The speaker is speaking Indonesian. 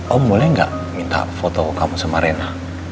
om boleh gak minta foto kamu sama reina